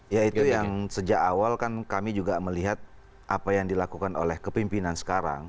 ya itu yang sejak awal kan kami juga melihat apa yang dilakukan oleh kepimpinan sekarang